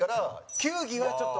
球技は、ちょっと？